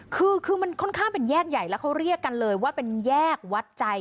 คือคือมันค่อนข้างเป็นแยกใหญ่แล้วเขาเรียกกันเลยว่าเป็นแยกวัดใจ